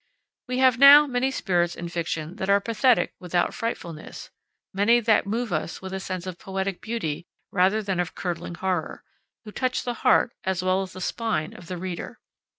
We have now many spirits in fiction that are pathetic without frightfulness, many that move us with a sense of poetic beauty rather than of curdling horror, who touch the heart as well as the spine of the reader.